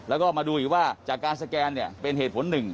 แล้วก็มาดูอีกว่าจากการสแกนเนี่ยเป็นเหตุผลหนึ่ง